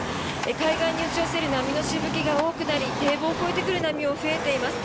海岸に打ち寄せる波のしぶきが多くなり堤防を越えてくる波も増えています。